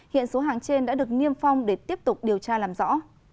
hiện số hàng trên đã được niêm phong để tiếp tục điều tra làm rõ